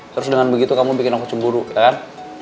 terus dengan begitu kamu bikin aku cemburu ya kan